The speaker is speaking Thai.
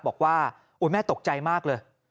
บอกว่าแม่ตกใจมากเลย